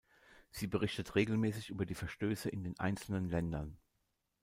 Sie berichtet regelmäßig über die Verstöße in den einzelnen Ländern.